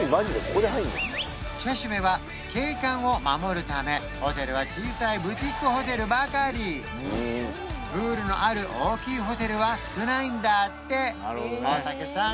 チェシュメは景観を守るためホテルは小さいブティックホテルばかりプールのある大きいホテルは少ないんだって大竹さん